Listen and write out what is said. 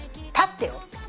立ってよ。